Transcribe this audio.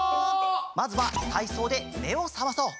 まずはたいそうでめをさまそう。